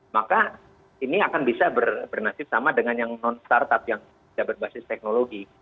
maka ini akan bisa bernasib sama dengan yang non startup yang berbasis teknologi